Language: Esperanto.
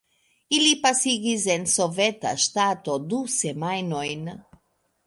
Ili pasigis en soveta ŝtato du semajnojn.